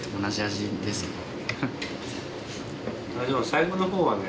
最後の方はね。